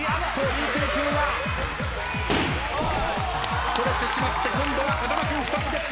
流星君はそれてしまって今度は風間君２つゲットガッツポーズ。